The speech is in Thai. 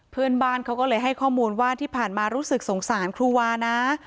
เพื่อนบ้านเขาก็เลยให้ข้อมูลว่าที่ผ่านมารู้สึกสงสารครูวานะ